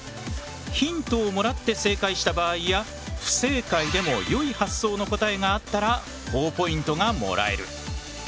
ヒントをもらって正解した場合や不正解でも良い発想の答えがあったらほぉポイントがもらえる。